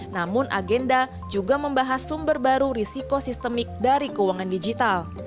namun agenda juga membahas sumber baru risiko sistemik dari keuangan digital